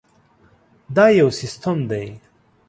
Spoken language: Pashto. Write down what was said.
دا یو سیسټم دی.